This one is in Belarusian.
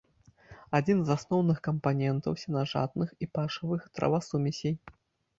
Адзін з асноўных кампанентаў сенажатных і пашавых травасумесей.